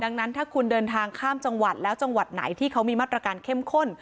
ดังนั้นถ้าคุณเดินทางข้ามจังหวัดแล้วจังหวัดไหนที่เขามีมาตรการเข้มข้น